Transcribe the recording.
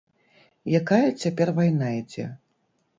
Якая цяпер вайна ідзе?